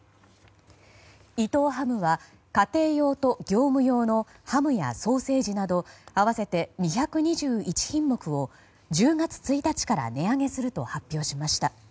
伊藤ハムは家庭用と業務用のハムやソーセージなど合わせて２２１品目を１０月１日から値上げすると発表しました。